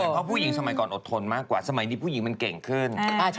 เพราะผู้หญิงสมัยก่อนอดทนมากกว่าสมัยนี้ผู้หญิงมันเก่งขึ้น